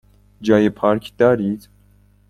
جای پارک دارید؟